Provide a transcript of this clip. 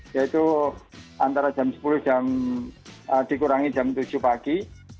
yaitu antara jam sepuluh dikurangi jam tujuh pagi